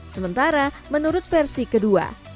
sementara menurut versi kedua